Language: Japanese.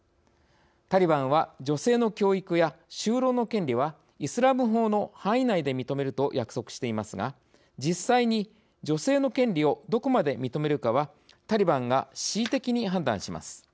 タリバンは女性の教育や就労の権利はイスラム法の範囲内で認めると約束していますが実際に、女性の権利をどこまで認めるかは、タリバンが恣意的に判断します。